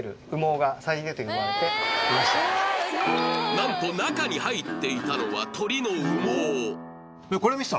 なんと中に入っていたのは鳥の羽毛